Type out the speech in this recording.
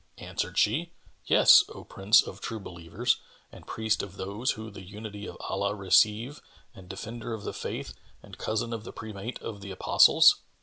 Answered she, "Yes, O Prince of True Believers and Priest of those who the Unity of Allah receive and Defender of the Faith and cousin of the Primate of the Apostles!"